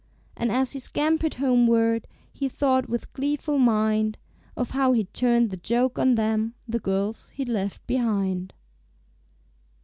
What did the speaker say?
And as he scampered homeward, He thought with gleeful mind Of how he'd turned the joke on them, The girls he'd left behind.